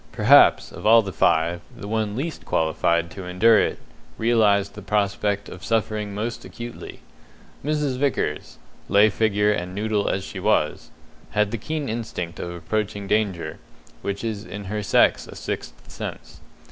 Perhaps, of all the five, the one least qualified to endure it realized the prospect of suffering most acutely. Mrs. Vickers lay figure and noodle as she was had the keen instinct of approaching danger, which is in her sex a sixth sense.